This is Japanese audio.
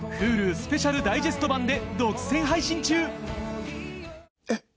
スペシャルダイジェスト版で独占配信中えっ